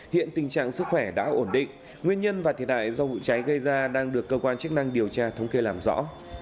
hiện tình trạng sức khỏe đã ổn định nguyên nhân và thiệt hại do vụ cháy gây ra đang được cơ quan chức năng điều tra thống kê làm rõ